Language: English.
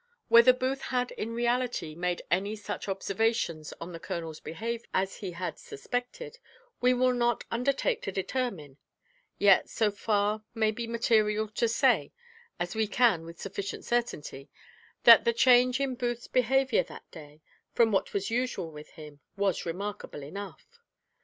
Whether Booth had in reality made any such observations on the colonel's behaviour as he had suspected, we will not undertake to determine; yet so far may be material to say, as we can with sufficient certainty, that the change in Booth's behaviour that day, from what was usual with him, was remarkable enough.